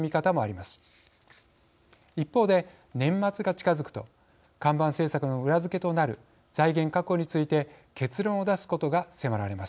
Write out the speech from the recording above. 一方で年末が近づくと看板政策の裏付けとなる財源確保について結論を出すことが迫られます。